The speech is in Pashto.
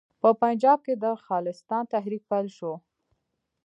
په پنجاب کې د خالصتان تحریک پیل شو.